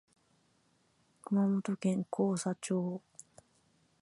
熊本県甲佐町